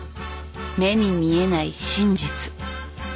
［目に見えない真実］